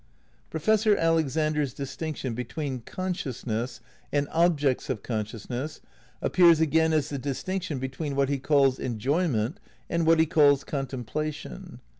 Professor Alexander's distinction between conscious ness and objects of consciousness appears again as the distinction between what he calls "enjoyment" and what he calls '' contemplation.